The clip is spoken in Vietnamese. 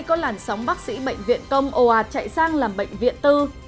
có làn sóng bác sĩ bệnh viện công ồ ạt chạy sang làm bệnh viện tư